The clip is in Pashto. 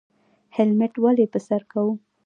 هیلمټ ولې په سر کړو؟